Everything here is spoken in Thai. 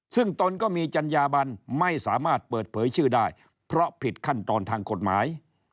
ซึ่งตนก็มีจัญญาบันไม่สามารถเปิดเผยชื่อได้เพราะผิดขั้นตอนทางกฎหมาย